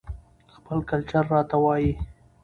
خپل کلچر راته وايى